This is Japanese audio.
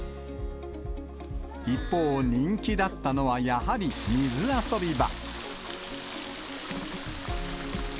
一方、人気だったのはやはり水遊び場。